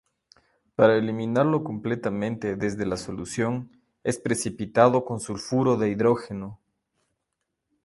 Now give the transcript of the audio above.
Para eliminarlo completamente desde la solución, es precipitado con sulfuro de hidrógeno.